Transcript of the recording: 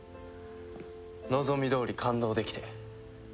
望みどおり感動できて。